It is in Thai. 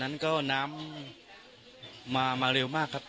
วันนั้นเอ่อพอดีวันนั้นก็น้ำมามาเร็วมากครับ